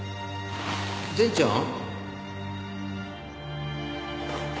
伝ちゃん？